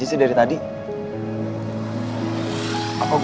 passo posanson tambah untuk kanakku